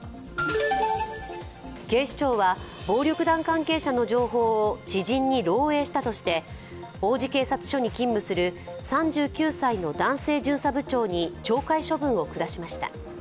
警視庁は、暴力団関係者の情報を知人に漏えいしたとして、王子警察著に勤務する３９歳の男性巡査部長に懲戒処分を下しました。